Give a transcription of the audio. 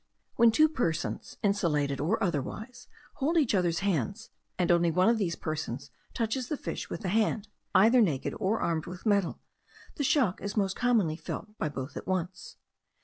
When two persons, insulated or otherwise, hold each other's hands, and only one of these persons touches the fish with the hand, either naked or armed with metal, the shock is most commonly felt by both at once.